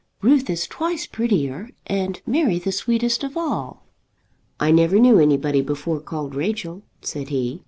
Ruth is twice prettier, and Mary the sweetest of all." "I never knew anybody before called Rachel," said he.